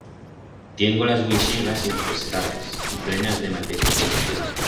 Tiengo las vuixigas infestadas y plenas de materia.